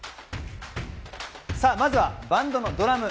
まずはバンドのドラム。